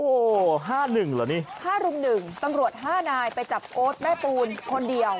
โอ้โหห้าหนึ่งเหรอนี่ห้ารุ่มหนึ่งตำรวจห้านายไปจับโอ๊ดแม่ปูนคนเดียว